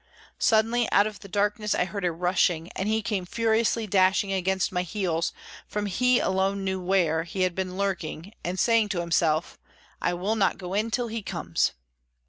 Suddenly out of the darkness I heard a rushing, and he came furiously dashing against my heels from he alone knew where he had been lurking and saying to himself: I will not go in till he comes!